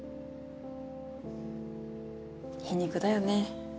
皮肉だよね